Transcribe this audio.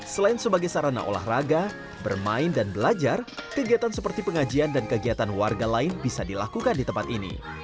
selain sebagai sarana olahraga bermain dan belajar kegiatan seperti pengajian dan kegiatan warga lain bisa dilakukan di tempat ini